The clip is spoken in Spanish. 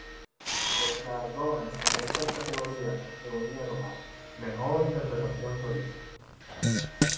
Los galardones en estas categorías se unieron a "mejor interpretación solista".